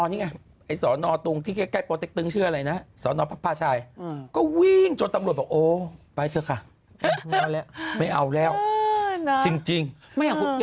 มันมีแต่คำบอกเล่าไง